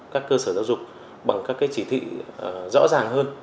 các cơ sở giáo dục bằng các cái chỉ thị rõ ràng hơn